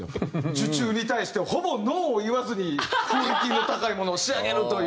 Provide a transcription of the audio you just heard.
受注に対してはほぼノーを言わずにクオリティーの高いものを仕上げるという。